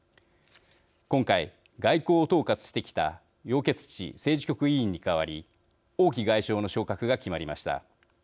今回、外交を統括してきた楊潔ち政治局委員に代わり王毅外相の昇格が決まりました。